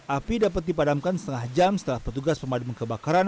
api dapat dipadamkan setengah jam setelah petugas pemadam kebakaran